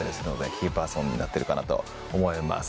キーパーソンになってるかなと思います。